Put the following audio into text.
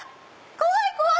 怖い怖い！